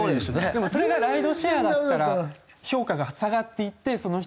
でもそれがライドシェアだったら評価が下がっていってその人がだんだん。